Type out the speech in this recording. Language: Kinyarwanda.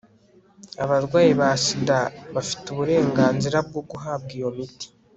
abarwayi ba sida bafite uburenganzira bwo guhabwa iyo miti